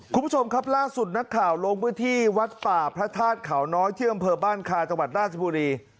คุณผู้ชมครับล่าสุดนักข่าวลงพื้นที่วัดป่าพระธาตุเขาน้อยที่อำเภอบ้านคาจังหวัดราชบุรี